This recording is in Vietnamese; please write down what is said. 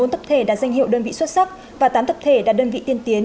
một mươi bốn tập thể đã danh hiệu đơn vị xuất sắc và tám tập thể đã đơn vị tiên tiến